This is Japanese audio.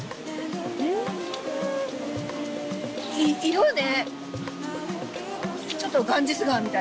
色ね。